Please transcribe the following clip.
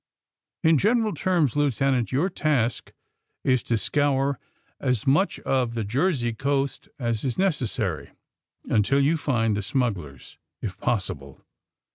In general terms, Lieutenant, your task is to scour as much of the Jersey coast as is necessary until you find the smugglers, if possible.